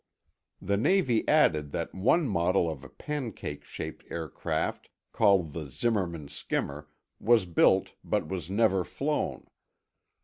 The Navy added that one model of a pancake shaped aircraft, called the Zimmerman Skimmer, was built but was never flown.